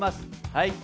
はい！